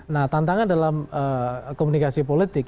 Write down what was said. nah tantangan dalam komunikasi politik